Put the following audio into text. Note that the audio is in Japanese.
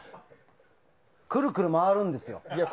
くるくる回るんですよ。